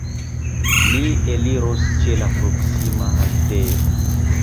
Ni eliros ĉe la proksima haltejo.